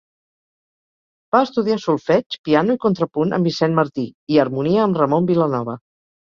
Va estudiar solfeig, piano i contrapunt amb Vicent Martí, i harmonia amb Ramon Vilanova.